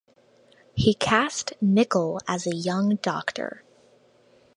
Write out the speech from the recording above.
He cast Nicol as a young doctor.